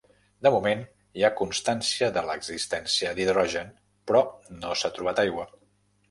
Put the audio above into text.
De moment hi ha constància de l'existència d'hidrogen, però no s'ha trobat aigua.